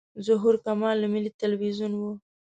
ظهور کمال له ملي تلویزیون و.